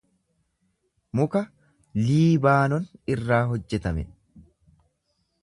Muka Liibaanon irraa hojjetame.